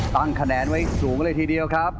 ตั้งคะแนนไว้สูงเลยทีเดียวครับ